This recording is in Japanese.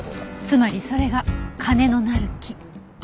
つまりそれが「金のなる木」。